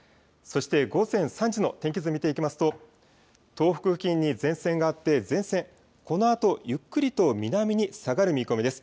そして午前３時の天気図見ていきますと、東北付近に前線があって、前線、このあとゆっくりと南に下がる見込みです。